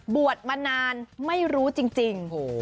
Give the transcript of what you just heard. บวชมานานไม่รู้จริง